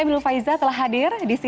abdul faiza telah hadir di sini